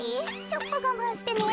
ちょっとがまんしてね。